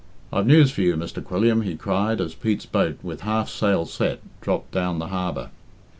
"I've news for you, Mr. Quilliam," he cried, as Pete's boat, with half sail set, dropped down the harbour.